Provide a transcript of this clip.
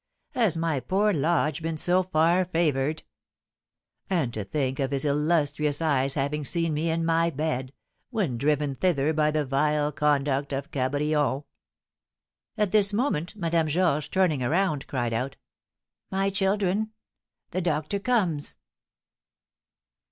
Has my poor lodge been so far favoured? And to think of his illustrious eyes having seen me in my bed, when driven thither by the vile conduct of Cabrion!" At this moment Madame Georges, turning around, cried out: "My children, the doctor comes."